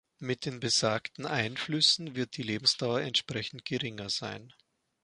Mit den besagten Einflüssen wird die Lebensdauer entsprechend geringer sein.